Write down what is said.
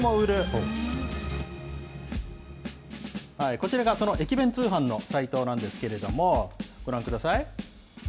こちらがその駅弁通販のサイトなんですけれども、ご覧ください。